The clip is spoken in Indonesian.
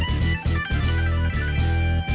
terima kasih nadia ya